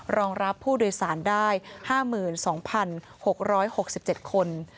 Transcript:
รองรับผู้โดยสารได้๕๒๖๖๗คน